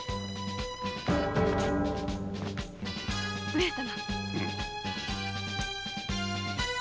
上様。